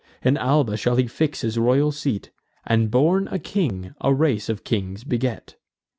In Alba he shall fix his royal seat, And, born a king, a race of kings beget.